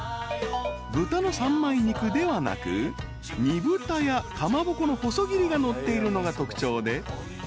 ［豚の三枚肉ではなく煮豚やかまぼこの細切りがのっているのが特徴で］